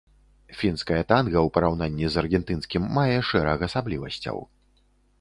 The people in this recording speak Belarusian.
Фінскае танга ў параўнанні з аргентынскім мае шэраг асаблівасцяў.